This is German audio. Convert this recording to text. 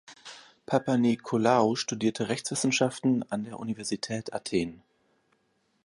Papanikolaou studierte Rechtswissenschaften an der Universität Athen.